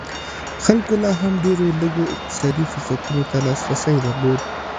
خلکو لا هم ډېرو لږو اقتصادي فرصتونو ته لاسرسی درلود.